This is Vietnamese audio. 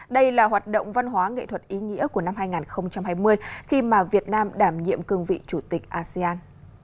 đây là hoạt động văn hóa nghệ thuật ý nghĩa của năm hai nghìn hai mươi khi mà việt nam đảm nhiệm cương vị chủ tịch asean